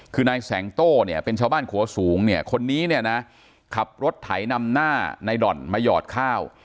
คือนายแสงโต้เป็นชาวบ้านขัวสูงคนนี้ขับรถไถนำหน้าในด่อนมาหยอดข้าว